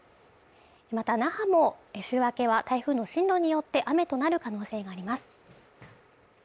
また那覇も週明けは台風の進路によって雨となる可能性があります